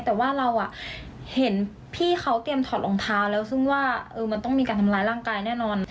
แต่ว่าเราเห็นพี่เขาเตรียมถอดรองเท้าแล้วซึ่งว่ามันต้องมีการทำร้ายร่างกายแน่นอน